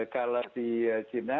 kalau di china